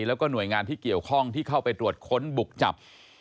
แล้วก็หน่วยงานที่เกี่ยวข้องที่เข้าไปตรวจค้นบุกจับ